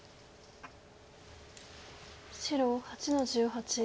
白８の十八。